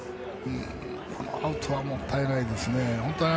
アウトはもったいないですね。